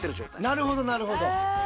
なるほどなるほど。